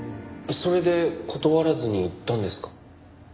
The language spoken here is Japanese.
それで断らずに行ったんですか？